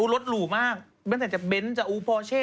รถหรูมากแม้แต่จะเน้นจะอูพอเช่